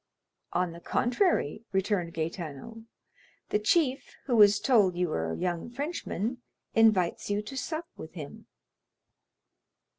"On the contrary," returned Gaetano, "the chief, who was told you were a young Frenchman, invites you to sup with him."